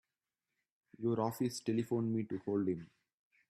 Your office telephoned me to hold him.